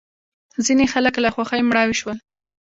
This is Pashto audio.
ځینې خلک له خوښۍ مړاوې شول.